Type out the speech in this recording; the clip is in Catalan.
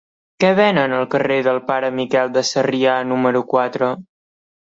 Què venen al carrer del Pare Miquel de Sarrià número quatre?